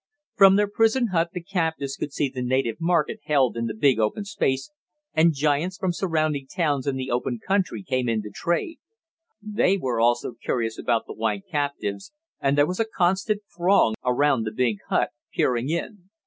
From their prison hut the captives could see the native market held in the big open space, and giants from surrounding towns and the open country came in to trade. There were also curious about the white captives, and there was a constant throng around the big hut, peering in.